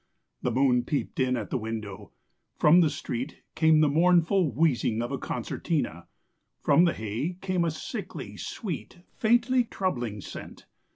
The moon peeped in at the window; from the street came the mournful wheezing of a concertina; from the hay came a sickly sweet, faintly troubling scent.